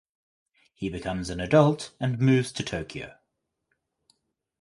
He becomes an adult and moves to Tokyo.